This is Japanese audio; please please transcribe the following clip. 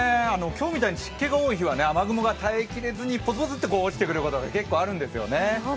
今日みたいに湿気が多い人は雨雲が耐えきれずにポツンと落ちてくることが結構あるんですよね。